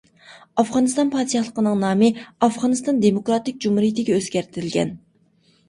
ئافغانىستان پادىشاھلىقىنىڭ نامى ئافغانىستان دېموكراتىك جۇمھۇرىيىتىگە ئۆزگەرتىلگەن.